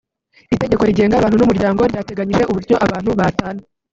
itegeko rigenga abantu n’umuryango ryateganyije uburyo abantu batana